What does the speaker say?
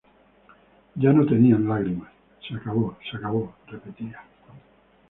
Ya no tenían lágrimas... Se acabó, se acabó- repetía.